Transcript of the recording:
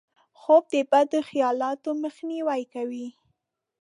خوب د بدو خیالاتو مخنیوی کوي